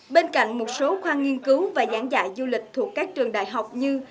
bên cạnh một số khoa nghiên cứu và giảng dạy du lịch thuộc các trường đại học như